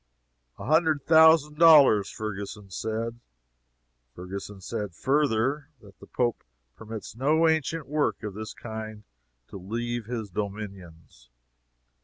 "A hundred thousand dollars!" Ferguson said. Ferguson said, further, that the Pope permits no ancient work of this kind to leave his dominions.